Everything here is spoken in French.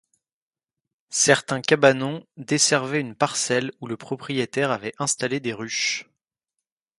Certains cabanons desservaient une parcelle où le propriétaire avait installé des ruches.